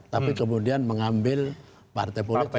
tapi kemudian mengambil partai politik